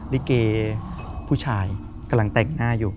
ลิเกย์ผู้ชายกำลังแต่งหน้าอยู่